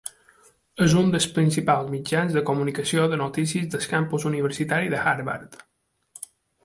És un dels principals mitjans de comunicació de notícies del campus universitari de Harvard.